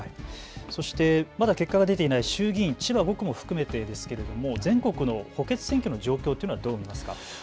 そしてまだ結果が出ていない、衆議院議員千葉５区も含めてですけれども、全国の補欠選挙の状況